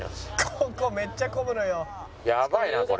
「ここめっちゃ混むのよ」